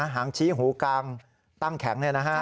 หางชี้หู่กางตั้งแข็งแน่นะฮะ